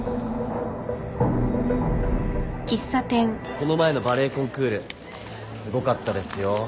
この前のバレエコンクールすごかったですよ。